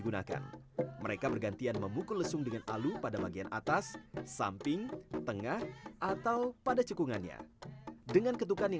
sampai jumpa di video selanjutnya